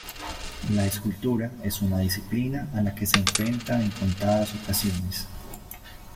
La escultura es una disciplina a la que se enfrenta en contadas ocasiones.